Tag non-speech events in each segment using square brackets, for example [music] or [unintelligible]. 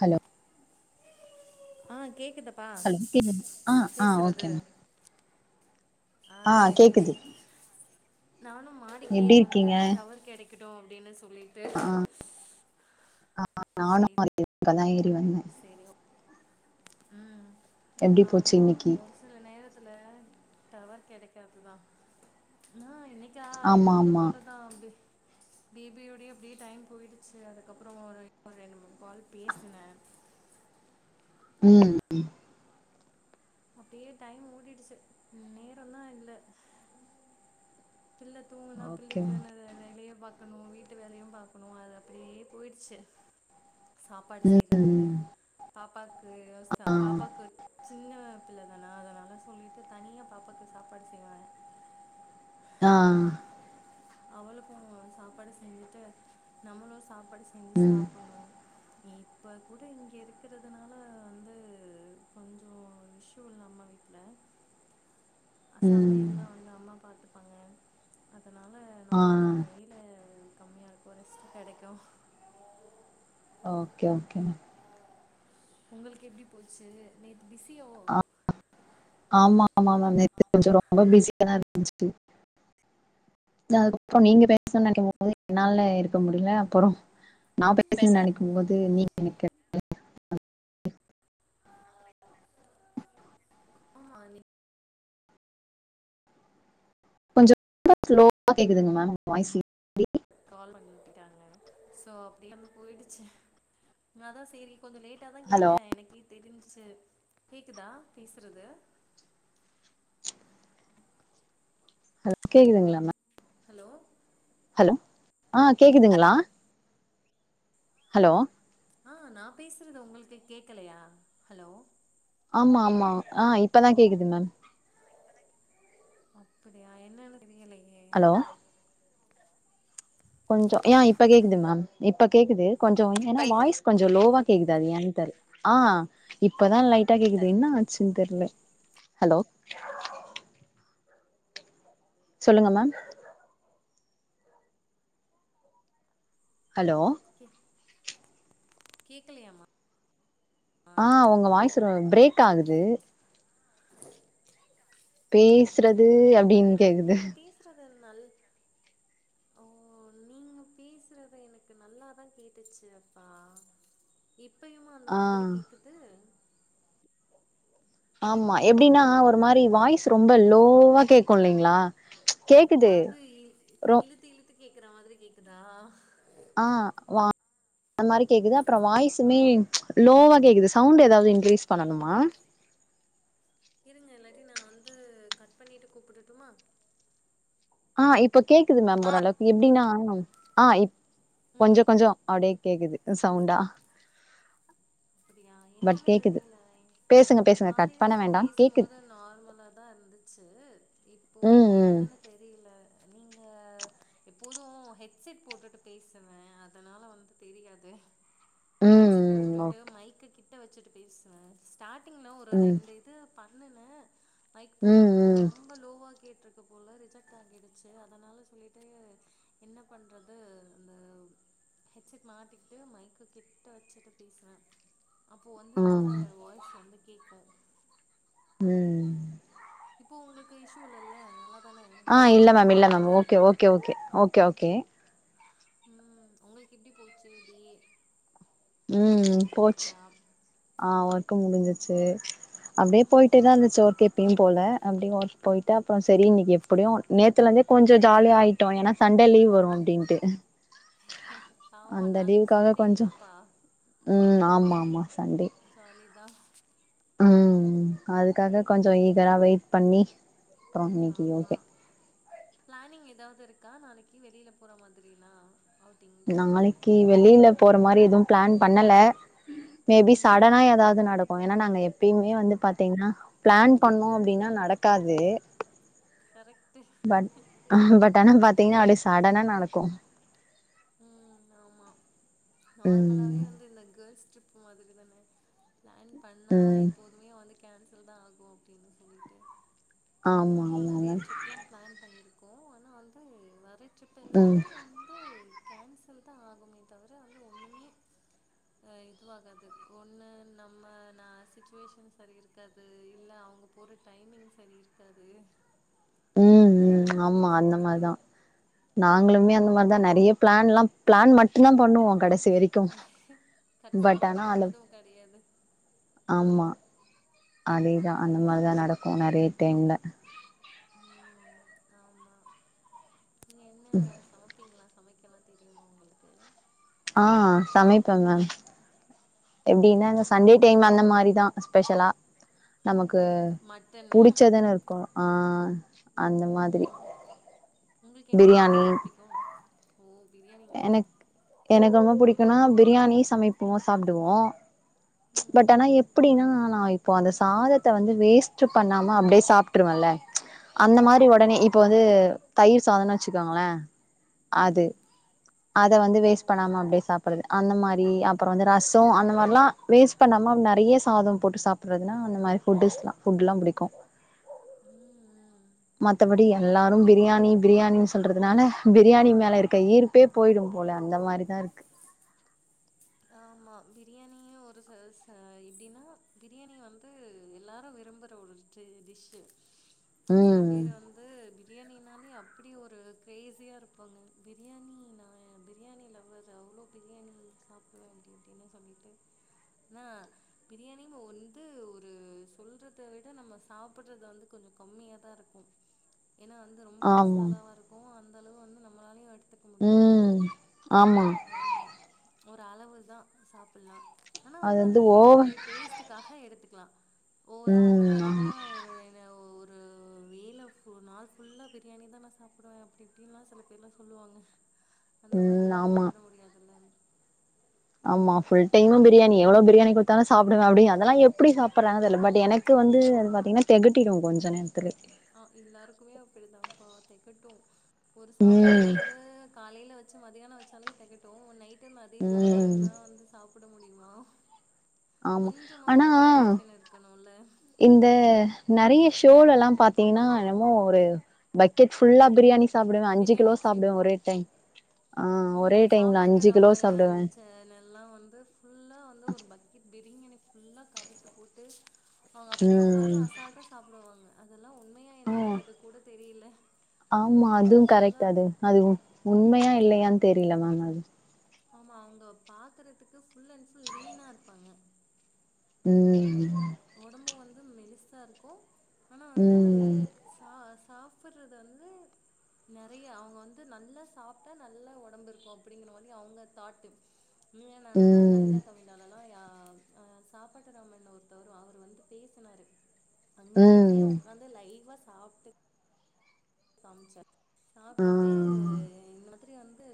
hello ஆ கேக்குது பா ஹலோ கேக்குது ஆ ஆ ஓகே பேசறது மேம் ஆ சொல்லுங்க நானு மாடிக்கி எப்டி ஏறி வந்தே இருக்கீங்க டவர் கெடைக் இக்கட்டு அப்டின்னு சொல்லிட்டு ஆ ஆ ஆம்மா நானு [inaudible] வந்தே அதா ஏறி வந்தே சேரி ம் எப்டி போச்சு ஆமா இன்னைக்கி ஒரு சில நேரத்துல டவர் கெடைக்காதுதா நா இன்னைக் கியா ஆமா எப்போது ஆமா போலதா அப்டி பேபியோடயே அப்டியே டைம் போயிடுச்சு அதுக்கப்றோ ஒரு ரெண்டு மூணு கால் பேசின ம் அப்டியே டைம் ஓடிடுச்சு நேரந்தா இல்ல பிள்ள தூங்குனா ஓகே பிள்ளைக்கு வேணா வேலைய பாக்கணு வீட்டு வேலையும் பாக்கணு அது அப்படியே போயிடுச்சு சாப்பாடு ம் செய்யறது ம் பாப்பாக்கு ஆ பாப்பாக்கு சின்ன சின்ன பிள்ளைதானா அதனால சொல்லிட்டு தனியா பாப்பாக்கு சாப்பாடு செய்வன் ஆ அவளுக்கு சாப்பாடு செஞ்சுட்டு நம்மளு சாப்பாடு செஞ்சு ம் சாப்பிடணு இப்ப கூட இங்க இருக்கிறதுனால வந்து கொஞ்சோ விஷ் டூ இல்ல நம்ம வீட்ல ஆ ம் சமையல்லா வந்து அம்மா பாத்துப்பாங்க அதனா அதனால ஆ நமக்கு கொஞ்சோ வேலை கம்மியா இருக்கு ரெஸ்ட் கெடைக்கு ஓகே ஓகே மேம் உங்களுக்கு எப்டி போச்சு நேத்து பிஸியோ ஆமா ஆமா மேம் நேத்து கொஞ்சோ ரொம்ப பிஸியாதான் இருந்துச்சு அதுக்கப்றோ நீங்க பேசணு நனைக்கும்போது என்னால இருக்க முடில அப்பறோ நா பேசன்னு பேசல நெனைக்கும்போது நீ நெனைக்க ஆமா நீ கொஞ்சோ ரொம்ப ஸ்லோவா கேக்குதுங்க மேம் உங்க வாய்ஸ் கால் பண்ணி விட்டுட்டாங்க சோ அப்டியே அது போயிடுச்சு அதா சேரி கொஞ்சோ லேட் டா தா ஹலோ கேட்டே எனக்கே தெரிஞ்சுச்சு கேக்குதா பேசுறது ஓகே சொன்னியாமா ஹலோ ஹலோ ஆ கேக்குதுங்ளா ஹலோ ஆ நா பேசுறது உங்களுக்கு கேக்கலயா ஹலோ ஆமா ஆமா ஆ இப்பதா கேக்குது மேம் அப்படியா என்னன்னு தெரியலயே ஹலோ கொஞ்சோ ஏ இப்ப கேக்குது மேம் இப்ப கேக்குது கொஞ்சோ ஏன்னா வாய்ஸ் கொஞ்சோ லோவா கேக்குது அது ஏன்னு தெரில ஆ இப்ப தா லைட்டா கேக்குது என்ன ஆச்சுன்னு தெர்ல ஹலோ சொல்லுங்க மேம் ஹலோ கேக் கேக்கலயாமா ஆ ஒங்க வாய்ஸ் ரோ பிரேக் ஆகுது பேசுறது அப்படியா அப்டின்னு எனக்கு கேக்குது நீங்க பேசுறது நல் ஓ நீங்க பேசுறது எனக்கு நல்லாதா கேட்டுச்சு அப்பா இப்பயுமா அந்த ஆ மாதிரி கேக்குது ஆமா எப்டின்னா ஒரு மாரி வாய்ஸ் ரொம்ப லோவா கேக்கு இல்லைங்களா கேக்குது அதாவது ரொ இழுத்து இழுத்து கேக்கற மாதிரி கேக்குதா ஆ வா அந்த மாரி கேக்குது அப்புறோ வாய்சுமே லோவா கேக்குது சவுண்டு எதாவது இன்கிரீஸ் பண்ணணுமா இருங்க இல்லாட்டி நா வந்து கட் பண்ணிட்டு கூப்புடட்டுமா ஆ இப்ப கேக்குது மேம் ஓரளவுக்கு எப்டின்னா ஆ இப் ம் கொஞ்சோ கொஞ்சோ அப்டியே கேக்குது சவுண்டா அப்டியா பட் என்னன்னு கேக்குது தெரில பேசுங்க பேசுங்க கட் பண்ண காலையிலந்து வேண்டா கேக்குது பேசம்போது நார்மலா தா இருந்துச்சு இப்போ ம் என்னன்னு தெரில நீங்க எப்போது ஹெட்செட் போட்டுட்டு பேசுவே அதனால வந்து தெரியாது ம் ம் ஹெட்செட் ம் போட்டுட்டு ஓகே மைக் கிட்ட வச்சுட்டு பேசுவே ஸ்டார்டிங்ல ஒரு ம் ரெண்டு இது பண்ணுனே மைக் ம் போடாம ரொம்ப லோவா கேட்ருக்கு போல ரிஜெக்ட் ஆகிடுச்சு அதனால சொல்லிட்டு என்ன பண்றது அந்த ஹெட்செட் மாட்டிகிட்டு மைக்கு கிட்ட வச்சுட்டு பேசுவே அப்போ வந்து நல்ல ம் ம் வாய்ஸ் வந்து கேக்கு ம் இப்போ உங்களுக்கு இஷ்யூ இல்லல்ல நல்ல தானே ஆ இல்ல பேசுறதெல்லா மேம் இல்ல மேம் கேக்குது ஓகே ஓகே ஓகே ஓகே ம் ஒங்களுக்கு எப்டி போச்சு டே ஒர்க்ல்லா ம் போச்சு முடிஞ்சிருச்சா ஆ ஒர்க் முடிஞ்சிருச்சு அப்டியே ம் போயிட்டே தா இருந்துச்சு ஒர்க் எப்பயு போல அப்டியே ஒர்க் போய்ட்டு அப்றோ சரி இன்னைக்கு எப்டியு நேத்துல இருந்தே கொஞ்சோ ஜாலி ஆயி ட்டோ ஏன்னா சண்டே லீவ் வரு அப்டின்ட்டு ஆமா அந்த நாளைக்கு லீவுக்காக சண்டே கொஞ்சோ இல்லப்பா ம் ஆமா ஆமா சண்டே ஜாலிதா ம் அதுக்காக கொஞ்சோ ம் ஈகரா வெயிட் பண்ணி அப்றோ இன்னைக்கு ஆமா ஓகே பிளானிங் ஏதாவது இருக்கா நாளைக்கு வெளியில போற மாதிரிலா நாளைக்கு வெளியில போற மாரி எதுவு பிளான் பண்ணல மே பி ம் சடனா ஏதாவது நடக் [unintelligible] நாங்க எப்பயுமே வந்து பாத்தீங்ன்னா பிளான் பண்ணோ அப்டின்னா நடக்காது கரெக்ட்டு ஆஹா பட் ஆனா பாத்தீங்னா அப்டியே சடனா நடக்கு உம் ஆமா நார்மலாவே ம் வந்து இந்த கேர்ள்ஸ் ட்ரிப் மாதிரி தானே பிளான் பண்ணாவா ம் எப்போதுமே வந்து கேன்சல்தா ஆகூ அப்டின்னு சொல்லிட்டு ஆமா நாங்களு ஆமா நெறைய ஆமா ட்ரிப் லா பிளான் பண்ணிருக்கோ ஆனா வந்து வர ட்ரிப் ம் எல்லாமே வந்து கேன்சல்தா ஆகுமே தவிர வந்து ஒன்னுமே அ இதுவாகாது ஒண்ணு நம்ம ந சிச்சுவேஷன் சரி இருக் காது இல்ல அவங்க போற டைமிங் சரி இருக்காது ம் அந்த ம் மாதிரி ஆமா அந்த சொல்லிட்டு மாரிதா நாங்களுமே அந்த ம் மாரிதா நெறைய பிளான்லா பிளான் மட்டுதா பண்ணுவோ கடைசி வரைக் கடைசி வரைக்கு போனது கெடையாது ஆமா அதேதா அது அந்த ஒண்ணு மாரிதா நடக்கு நெறைய டைம்ல உம் ஆமா நீங்க என்ன சமப்பிங்ளா சமைக்கலா தெரியுமா உங்களுக்கு ஆஹ் சமைப்பங்க எப்டின்னா இந்த ம் சண்டே டைம் அந்த மாரிதா ஸ்பெஷலா நமக்கு மட்டனு புடிச்சதுன் இருக்கு ஆஹ் அந்த மாதிரி ம் உங்களுக்கு என்ன டிஷ்ஷு ரொம்ப பிரியாணி பிடிக்கு ஓ பிரியாணி எனக் எனக்கு ரொம்ப புடிக்குனா பிரியாணி சமைப்போ சாப்டுவோ ம் பட் ஆனா எப் எப்டினா நா இப்பொ அந்த சாதத்த வந்து வேஸ்ட்டு பண்ணாம அப்டியே சாப்ட்ருவல அந்த மாரி ஒடனே இப்ப வந்து தயிர் சாதோனு வச்சுக்கோங்களே ம் அது ம் அத வந்து ஓ வேஸ்ட் பண்ணாம அப்படியே சாப் அந்த மாரி அப்புறோ ரசோ அந்த மாரிலா வேஸ்ட் பண்ணாம நெறைய சாதம் போட்டு சாப் அப்றந்தா அந்த மாரி ஃபுட்டுஸ் ஃபுட்டேல்லாம் புடிக்கும் உம் உம் மத்த படி எல்லா லாரு பிரியாணி பிரியாணின்னு சொல்றதுனால பிரியாணி மேல இருக்க ஈர்ப்பே போயிடும் போல அந்த மாரி ஆமா பிரியாணியும் ஒரு ச ச எப்டின்னா பிரியாணி வந்து எல்லாரும் விரும்பற ஒரு ட்ரேடிஸ்ஸு செல ம் பேரு வந்து அது பிரியாணினாலே அப்படி ஒரு கிரேஸியா இருப்பாங்க பிரியாணி நா பிரியாணி லவ்வர் நா அவ்ளோ பிரியாணி சாப்டுவேன் அப்டி அப்டின்னு சொல்லிட்டு என்ன பிரியாணி வந்து ஒரு சொல்றத விட நம்ம சாப்புடுறது வந்து கொஞ்சு கம்மியாதா இருக்கு ஏன்னா வந் ரொம்ப ஆமா மசாலாவா இருக்கு அந்த அளவு வந்து நம்மளாலையு எடுத்துக்க முடியாது ம் ஆமா ஆமா ஒரு அளவு தா சாப்புடலா ஆனா அது வந்து அந்த ஓவர் பிளேவரு டேஸ்ட்டுக்காக எடுத்துக்கலா ஓவரா வந்து ம் ஆமா அதிகமா ஒரு என்ன ஒர் ஆ ரியால ஃபு நாள் ஃபுல்லாக பிரியாணி தா நா சாப்டுவே அப்டி இப்டின்லாம் சில பேர் எல்லாம் சொல்லுவாங்க அந்த மாரி ம் எல்லா ஆமா சாப்பிட முடியாதுல்ல ஆமா ஃபுல் தினமும் பிரியாணி எவ்ளோ பிரியாணி குடுத்தாலு சாப்டுவ அப்படி அதெல்லா எப்டி சாப்பிடறாங்கன்னு தெரியல பட் எனக்கு வந்து பாத்தீங்கன்னா தெகட்டிடு கொஞ்ச நேரத்துலே ஆ எல்லாருக்குமே அப்டிதான்ப்பா தெகட்டும் ஒரு ம் சாப்பாடேவந்து காலையில வச்சு மதியானோ வச்சாலே தெகட்டூ நைட் டு நெறைய ம் சாப்பாடுன்னா வந்து சாப்புட முடியுமா ஆமா ஆனா கொஞ்சமாவது வேரியேஷன் இருக்கணூல இந்த நெறைய ஷோலலா பாத்திங்கனா என்னமோ ஒரு பக்கெட் ஃபுல்லா பிரியாணி சாப்புடுவே அஞ்சு கிலோ பிரியாணி சாப்டுவே ஒரே டைம் ஆ ஒரே உம் டைம்ல சாப்பாட்டு அஞ்சு கிலோ ராமே சாப்டுவே அந்த சேன ல்லா வந்து ஃபுல்லா வந்து ஒரு பக்கெட் பிரியாணி ஃபுல்லா கவுத்து போட்டு அவங்க அப்டியே உக்காந்து ம் அசால்டா சாப்டுவாங்க அதெல்லா உண்மையா ஆ என்னன்றது கூட தெரியல ஆமா அந்த இது அதுவு கரெக்ட் ஃபுல்லா அது அது உண்மையா இல்லையான் தெரியல மேம் அது ஆமா அவங்க பாக்கறதுக்கு ஃபுல் அண்ட் ஃபுல் லீனா இருப்பாங்க உம் உம் ஒடம்பு வந்து மெலிசா இருக்கு ஆனா வந்து ம் சா சா புட்றது வந்து நெறையா அவங்க வந்து நல்லா சாப்டா நல்லா ஒடம்பிருக்கு அப்டிங்கிற மாரி அவங்க தாட்டு நீயா நானா ம் தமிழா தமிழால்லா யா அ சாப்பாட்டுராமன் ஒரு தவரு அவரு வந்து பேசுனாரு அங்கயுமே ம் உக்காந்து லைவா சாப்டு காம்ச்சார் ஆ சாப்டுட்டு இந்த மாதிரி வந்து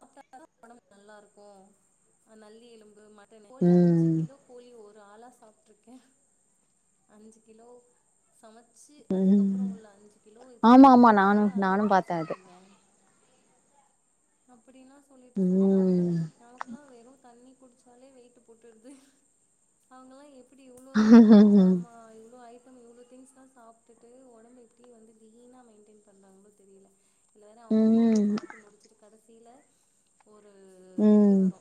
[unintelligible] ஒடம்பு நல்லா இருக்கு அ நல்லி எலும்பு மட் கோழி அஞ்சி ம் கிலோ கோழிய ஒரு ஆளா சாப்ட்ருக்கே அஞ்சி கிலோ சமச்சி ம் அதுக்கப்றோ உள்ள அஞ்சி கிலோ இத ஆமா வந்து ஆமா நா ஒரே நானு ஆளா நானு உக்காந்து பாத்தே அது சாப்புட்வே அப்பிடினா சொல்லிட்டு சொல்றாங்க ம் நமக்குலா வெறு தண்ணி குடிச்சாலே வெயிட்டு போட்டுருது அவங்கலா எப் பிடி எவ்ளோதா ஜாமா இவ்ளோ ஆயி அப்பமு இவுளோ திங்ஸ்லா சாப்ட்டுட்டு ஒடம்பு எப்டி வந்து லீனா மெயின்டென் பண்றாங்ளோ தெரில சிலரு அவ்ங்க வீடியோ ம் பாத்து முடிச்சுட்டு கடசில ஒரு இது ம் வரு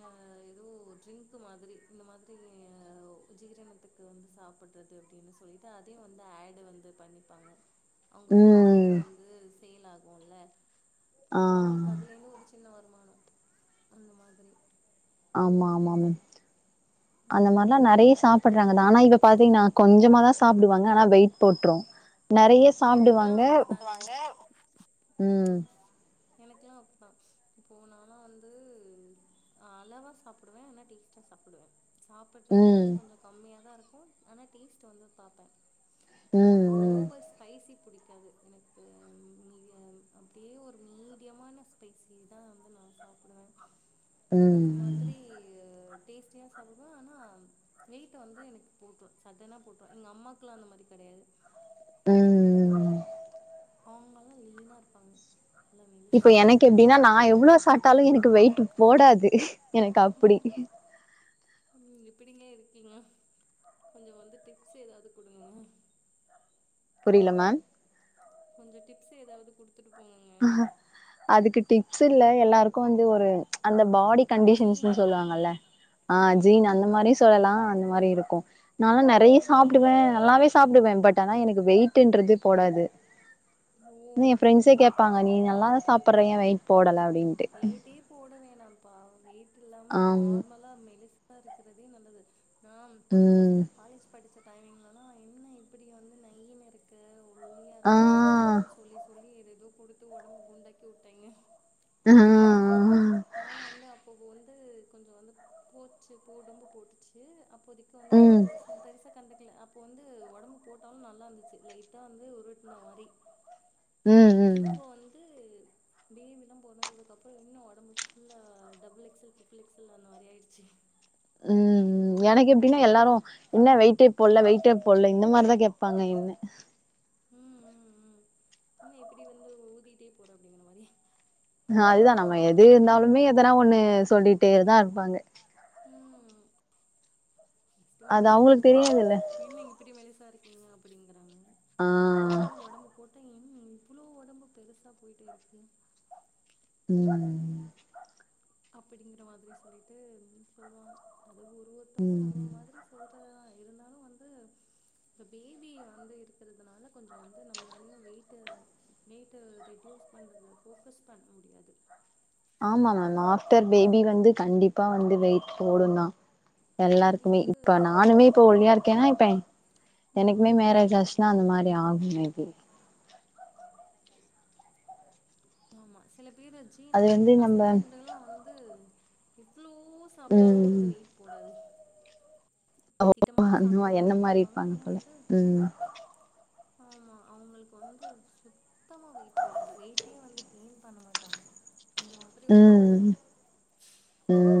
ஆ எதோ ட்ரிங்க்கு மாதிரி இந்த மாதிரி அ ஜீரணத்துக் க்கு வந்து சாப்புட்றது அப்டின்னு சொல்லிட்டு அதையு வந்து ஆடு வந்து பண்ணிப்பாங்க அவுங்க ம் ப்ராடக்ட் வந்து சேல் ஆகுல ஆ அவுங்களுக்கு அதுலேந்து ஒரு சின்ன வருமானோ அந்த மாதிரி ஆமா ஆமாம் அந்த ம் மாரிலா நெறைய சாப் பட்றாங்க நானா இப்ப பாத்தீங்னா கொஞ்சமாதா சாப்டுவாங்க ஆனா வெயிட் போட்ரு நெறைய எனக்கெல்லா சாப்டுவாங்க அப்படிதா ம் எனக்குலா அப்பிட்தா இப்போ நாலா வந்து் அளவா சாப்புடுவே ஆனா டேஸ்ட்டா சாப்புடுவே சாப்புடுறது வந்து ம் கொஞ்சோ கம்மியாதா இருக்கு ஆனா டேஸ்ட்டு வந்து பாப்ப ம் எனக்கு ம் ஓவர் ஸ்பைசி புடிக்காது எனக்கு மீதியம் அப்டியே ஒரு மீடியமான ஸ்பைசிதா வந்து நான் சாப்புடுவே ம் அந்த மாதி ம் ரி டேஸ்ட்டியா சாப்புடுவ ஆனா வெயிட்டு வந்து எனக்கு போட்ரு சடனா போட்டுரு எங்க அம்மாக்லா அந்த மாரி கெடையாது ம் அவ்ங்கலா லீனா இருப்பாங்க நல்லா இப்ப மெலிசா எனக்கு எப்டினா நா எவுளோ சாப்ட்டாலு எனக்கு வெயிட்டு போடாது எனக்கு அப்புடி நீங்க எப்பிடிங்க இருக்கீங்க கொஞ்சோ வந்து டிப்ஸ் எதாவ்து குடுங்க புரில மேம் கொஞ்சோ டிப்ஸ் எதாவது குடுத்துட்டு போங்கங்க அதுக்கு டிப்ஸ் இல்ல எல்லாருக்கு வந்து ஒரு அந்த பாடி ஜீனு கண்டிஷன்ஸுன் சொல்லுவாங்கல்ல ஆ ம் ஜீன் அந்த ம் மாரி சொல்லலா அந்த மாரி இருக்கு நாலா நெறைய ம் ம் சாப்புடுவ நல்லாவே சாப்புடுவே பட் ஆனா எனக்கு வெய் ட்டுன்றது போடாது ஓ என் ஃபிரெண்ஸே கேப் பாங்க நீ நல்லாதா சாப்புட்ற ஏன் வெயிட போடல அப்டின் வெயிட்டே போட வேணாப்பா வெயிட் இல்லாம ஆம் நார்மலா மெலிஸ் ஸா இருக்றதே நல்லது நா ம் காலேஜ் படிச்ச டைம்லலா என்ன இப்புடி வந்து நைன் இருக்கு ஒ ஒல்லியா ஆ இருக்க ஒல்லியா இருக்கன் சொல்லி சொல்லி எதேதோ குடுத்து ஒடம்பு குண்டாக்கி உட்டாய்ங்க ப்தனா ஆ ஆ நானு வந்து அப்பப்போ வந்து கொஞ்சோ வந்து போச்சு போ ஒடம்பு போட்டுச்சு அப் போதைக்கு வந்து ம் ச பெருசா கண்டுக் குல அப்போ வந்து ஒடம்பு போட்டாலு நல்லா இருந்துச்சு லைட்டா வந்து உருட்ன மாரி ம் ம் இப்போ வந்து பேபிலா பொறந்ததுக்குக்கப்புறோ இன்னு ஒடம்பு ஃபுல்லா double X L triple X L அந்த மாரி ஆய்ர்ச்சு ம் ம் எனக்கு எப்டினா எல்லாரு என்ன வெயிட்டே போட்ல வெயிட்டே போட்ல இந்த மாரிதா கேப்பாங்க என்ன ம் ம் ம் இன்ன இப்புடி வந்து ஊதிகிட்டே போற அப்டிங்கிற மாரி இன்ன இருக்கு அதுதா நம்ம எது இருந்தாலுமே எதனா ஒன்னு சொல்லிட்டேதா இருப்பாங்க ம் அது மெலிசா அவங்களுக்கு இருக்குபோது தெரியாதுல்ல என்ன இப் பிடி மெலிசா இருக்கீங்க அப்டிங்கிறாங்க ஆ இப்போ வந்து ஒடம்பு போ ட்டா என்ன இவுளோ ஒடம்பு பெருசா போய்ட்டே இருக்கு சொல்வாங்க அப்படிங்குற மாதிரி சொல்லிட்டு சொல்லுவாங்க அது ஒரு ஒருத்தவங்க ஒரு ம் ஒரு மாதிரி ப ஒருத்தங்க இருந்தாலு வந்து இப்ப பேபி வந்து இருக்கிறதுனால கொஞ்ச வந்து நம்மளாலையு வெயிட்டு வெயிட்டு ரெடியூஸ் பண்றதுல ஃபோக்கஸ் பண்ண முடியாது ஆமாமா ஆப்டர் பேபி வந்து கண்டிப்பா வந்து வெயிட் போடுந்தா அது எல்லாருக்குமே வந்து இப்ப நானுமே இப்போ ஒல்லியா இருக்கேன்னா இப்ப எனக்குமே ம் மேரேஜ் ஆச் சுனா அந்த மாரி ஆகு மே பி ஆமா சில பேரு ஜீன் அது எங்க வந்து நம்ம ஹஸ்பண்டல்லா வந்து எவ்ளோ சாப்ட்டாலு வந்து ம் வெயிட் போடாது திட்டமாதா அந்த சாப்டுவாங்க என்ன மாரி கொல்லுவாங்க இருப்பாங்க ஆனா போல வந்து ம் ஆமா அவுங்களுக்கு வந்து சுத்தமா வெயிட் போடாது வெயிட்டே வந்து கெயின் பண்ண மாட்டாங்க அந்த மாரி ம் ம்